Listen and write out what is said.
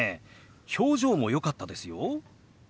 表情もよかったですよ。